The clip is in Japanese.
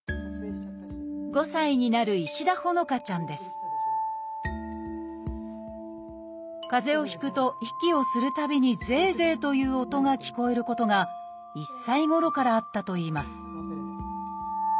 ５歳になる石田帆乃花ちゃんですかぜをひくと息をするたびにゼーゼーという音が聞こえることが１歳ごろからあったといいます